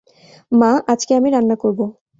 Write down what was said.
মা আজকে আমি রান্না করবো।